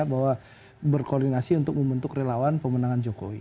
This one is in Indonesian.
bahwa berkoordinasi untuk membentuk relawan pemenangan jokowi